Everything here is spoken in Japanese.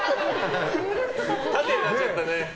縦になっちゃったね。